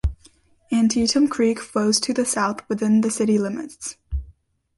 Antietam Creek flows to the south within the city limits.